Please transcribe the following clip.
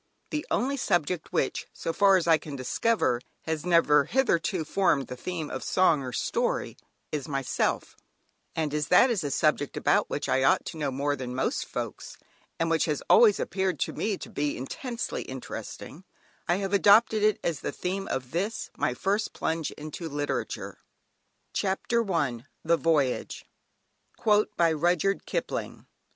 The only subject which, so far as I can discover, has never hitherto formed the theme of song or story, is Myself, and as that is a subject about which I ought to know more than most folks and which has always appeared to me to be intensely interesting, I have adopted it as the theme of this, my first plunge into Literature._ [Illustration: Decoration] CHAPTER I. THE VOYAGE.